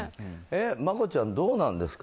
マコちゃん、どうなんですか。